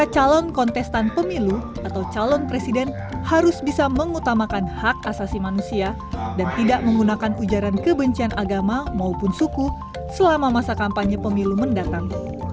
tiga calon kontestan pemilu atau calon presiden harus bisa mengutamakan hak asasi manusia dan tidak menggunakan ujaran kebencian agama maupun suku selama masa kampanye pemilu mendatang